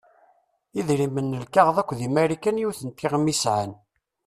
Idrimen n lkaɣeḍ akk di Marikan yiwet n teɣmi i sεan.